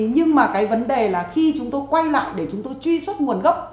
nhưng mà cái vấn đề là khi chúng tôi quay lại để chúng tôi truy xuất nguồn gốc